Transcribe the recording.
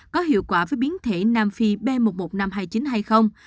có hiệu quả với biến thể nam phi b một một năm trăm hai mươi chín hay không